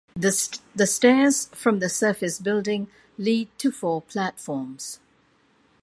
The stairs from the surface building lead to four platforms.